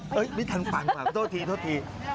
ฮะไม่ทำฟังเดี๋ยวโทษที